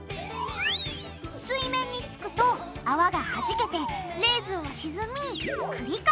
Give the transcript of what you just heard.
水面に着くとあわがはじけてレーズンは沈み繰り返す。